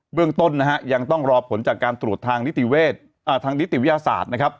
เบื้องต้นยังต้องรอผลจากการตรวจทางนิติวิทยาศาสตร์